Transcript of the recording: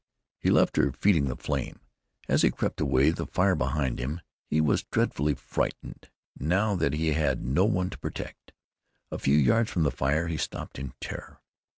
He left her feeding the flame. As he crept away, the fire behind him, he was dreadfully frightened, now that he had no one to protect. A few yards from the fire he stopped in terror.